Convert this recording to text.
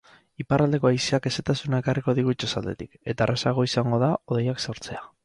Iparraldeko haizeak hezetasuna ekarriko digu itsasaldetik, eta errazagoa izango da hodeiak sortzea.